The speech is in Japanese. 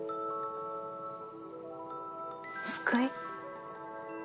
救い？